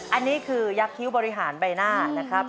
อันนี้คือยักษ์คิ้วบริหารใบหน้านะครับ